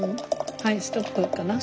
はいストップかな。